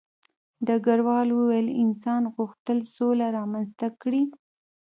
ډګروال وویل انسان غوښتل سوله رامنځته کړي